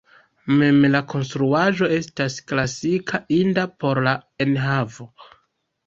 Mem la konstruaĵo estas klasika, inda por la enhavo.